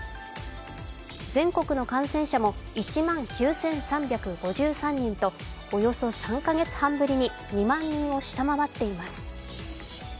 全国の感染者も１万９３５３人とおよそ３カ月半ぶりに２万人を下回っています。